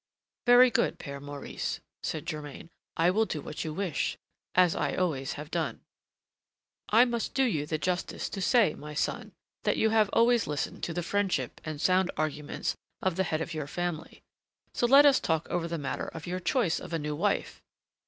"Very good, Père Maurice," said Germain, "I will do what you wish, as I always have done." "I must do you the justice to say, my son, that you have always listened to the friendship and sound arguments of the head of your family. So let us talk over the matter of your choice of a new wife.